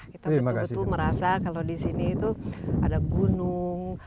kita betul betul merasa kalau disini itu ada gunung